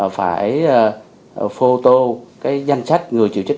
phải phô tô danh sách người chuyển đổi